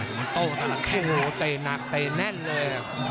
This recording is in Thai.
โหเต่หนักเต่แน่นเลย